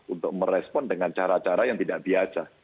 untuk merespon dengan cara cara yang tidak biasa